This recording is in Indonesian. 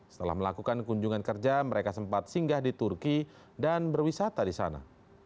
setelah melakukan kunjungan kerja mereka sempat singgah di turki dan berwisata di sana